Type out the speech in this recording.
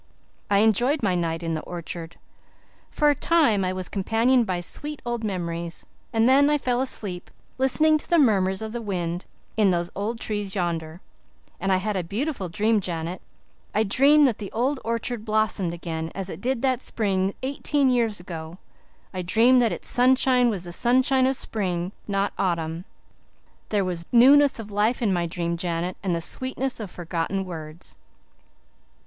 I enjoyed my night in the orchard; for a time I was companioned by sweet old memories; and then I fell asleep listening to the murmurs of the wind in those old trees yonder. And I had a beautiful dream, Janet. I dreamed that the old orchard blossomed again, as it did that spring eighteen years ago. I dreamed that its sunshine was the sunshine of spring, not autumn. There was newness of life in my dream, Janet, and the sweetness of forgotten words."